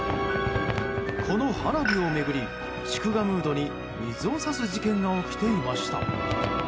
この花火を巡り、祝賀ムードに水を差す事件が起きていました。